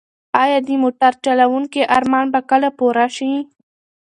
ایا د موټر چلونکي ارمان به کله پوره شي؟